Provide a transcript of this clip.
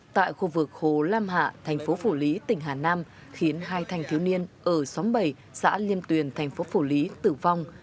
tại khu vực hồ lam hạ thành phố phủ lý tỉnh hà nam khiến hai thanh thiếu niên ở xóm bảy xã liêm tuyền thành phố phủ lý tử vong